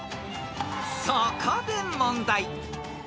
［そこで問題］